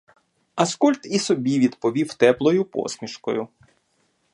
Аскольд і собі відповів теплою посмішкою.